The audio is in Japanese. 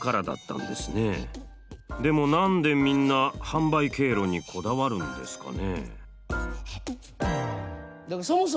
でも何でみんな販売経路にこだわるんですかね？